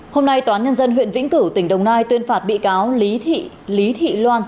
hôm nay toán nhân dân huyện vĩnh cửu tỉnh đồng nai tuyên phạt bị cáo lý thị loan